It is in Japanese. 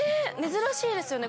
珍しいですよね